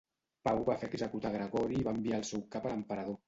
Pau va fer executar a Gregori i va enviar el seu cap a l'emperador.